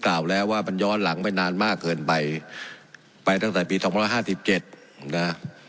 กล่าวแล้วว่ามันย้อนหลังไปนานมากเกินไปไปตั้งแต่ปีสองพันห้าสิบเจ็ดนะ